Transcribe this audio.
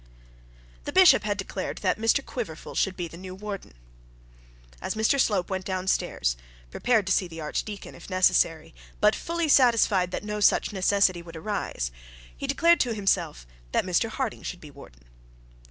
The bishop had declared that Mr Quiverful should be the new warden. As Mr Slope went down stairs prepared to see the archdeacon if necessary, but fully satisfied that no such necessity would arise, he declared to himself that Mr Harding should be warden.